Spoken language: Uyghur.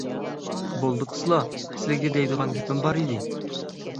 بولدى قىلسىلا، سىلىگە دەيدىغان گېپىم بار ئىدى.